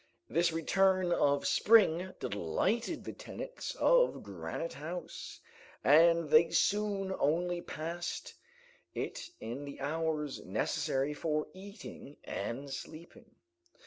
This return of spring delighted the tenants of Granite House, and they soon only passed in it the hours necessary for eating and sleeping.